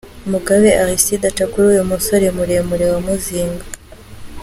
Mugabe Aristide aca kuri uyu musore muremure wa Muzinga.